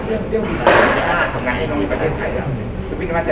คนเจ็บข้างในป่วย